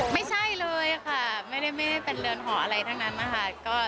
ไม่ใช่เลยค่ะไม่ได้เป็นเรือนหออะไรทั้งนั้นนะคะ